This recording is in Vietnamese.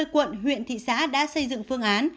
ba mươi quận huyện thị xã đã xây dựng phương án